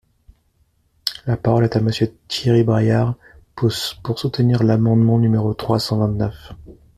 La parole est à Monsieur Thierry Braillard, pour soutenir l’amendement numéro trois cent vingt-neuf.